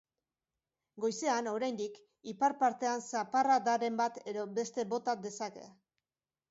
Goizean, oraindik, ipar partean zaparradaren bat edo beste bota dezake.